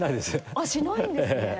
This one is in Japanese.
あっしないんですね。